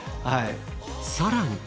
さらに。